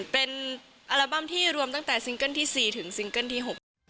เป็นอัลบั้มที่รวมตั้งแต่ซิงเกิ้ลที่๔ถึงซิงเกิ้ลที่๖